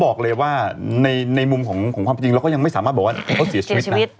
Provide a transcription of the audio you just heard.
บอกเลยว่าในมุมของความจริงเราก็ยังไม่สามารถบอกว่าเขาเสียชีวิตนะ